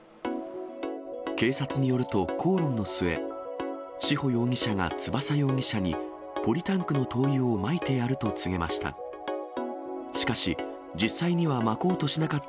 警察によると口論の末、志保容疑者が翼容疑者に、ポリタンクの灯油をまいてやると告げました。